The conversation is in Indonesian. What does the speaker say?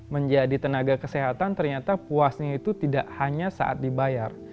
menjadi tenaga kesehatan ternyata puasnya itu tidak hanya saat dibayar